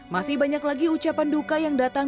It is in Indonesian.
masih banyak lagi ucapan duka yang datang